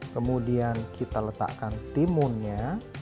kemudian kita letakkan timunnya